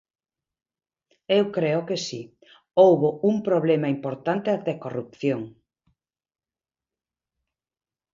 Eu creo que si houbo un problema importante de corrupción.